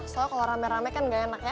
soalnya kalau rame rame kan gak enak ya